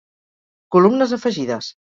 Columnes afegides.